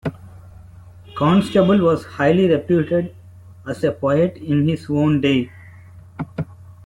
Constable was highly reputed as a poet in his own day.